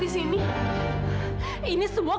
dan anak panggil pembunuh